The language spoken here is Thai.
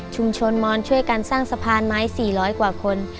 ชุมชนมอนช่วยการสร้างสะพานไม้สี่ร้อยกว่าคน